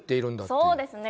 そうですね。